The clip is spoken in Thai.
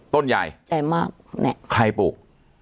ต้นใหญ่ใจมากใครปลูก